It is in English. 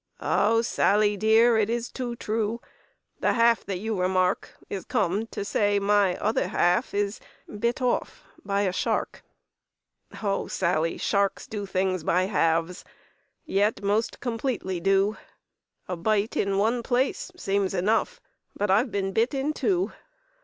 "Oh! Sally dear, it is too true, The half that you remark Is come to say my other half Is bit off by a shark! "Oh! Sally, sharks do things by halves, Yet most completely do! A bite in one place soems enough, But I've been bit in two.